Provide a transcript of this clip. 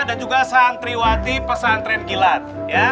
dan juga santriwati pesantren kilat